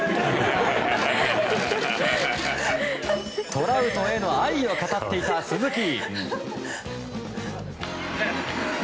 トラウトへの愛を語っていた鈴木。